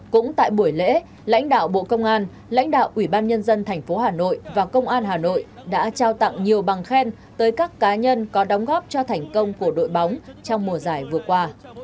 cũng tại buổi lễ lãnh đạo bộ công an lãnh đạo ủy ban nhân dân thành phố hà nội và công an hà nội đã trao tặng nhiều bằng khen tới các cá nhân có đóng góp cho thành công của đội bóng trong mùa giải vừa qua